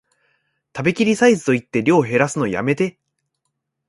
食べきりサイズと言って量へらすのやめて